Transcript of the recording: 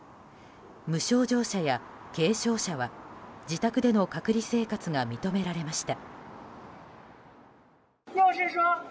無症状者や軽症者は、自宅での隔離生活が認められました。